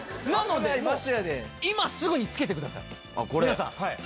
なので今すぐにつけてください皆さん。